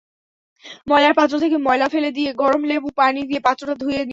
ময়লার পাত্র থেকে ময়লা ফেলে দিয়ে গরম লেবু-পানি দিয়ে পাত্রটা ধুয়ে নিন।